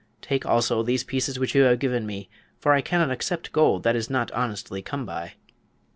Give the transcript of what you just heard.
Take, also, these pieces which you have given me, for I cannot accept gold that is not honestly come by."